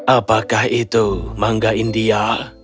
apakah itu mangga india